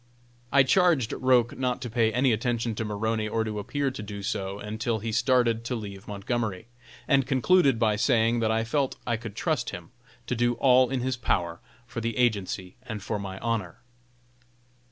I charged Roch not to pay any attention to Maroney or to appear to do so until he started to leave Montgomery, and concluded by saying that I felt I could trust him to do all in his power for the agency and for my honor.